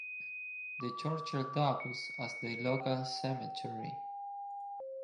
The churchyard doubles as the local cemetery.